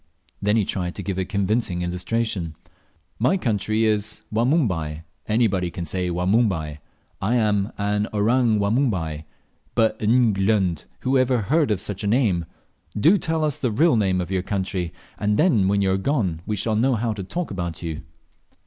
Then he tried to give a convincing illustration. "My country is Wanumbai anybody can say Wanumbai. I'm an orang Wanumbai; but, N glung! who ever heard of such a name? Do tell us the real name of your country, and then when you are gone we shall know how to talk about you."